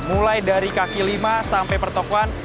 mulai dari kaki lima sampai pertokohan